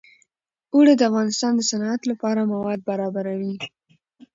اوړي د افغانستان د صنعت لپاره مواد برابروي.